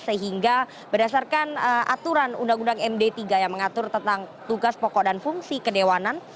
sehingga berdasarkan aturan undang undang md tiga yang mengatur tentang tugas pokok dan fungsi kedewanan